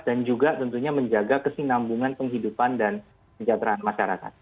dan juga tentunya menjaga kesinambungan kehidupan dan sejahtera masyarakat